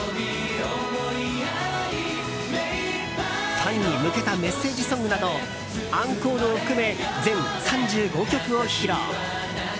ファンに向けたメッセージソングなどアンコールを含め全３５曲を披露。